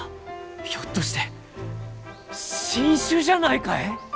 ひょっとして新種じゃないかえ？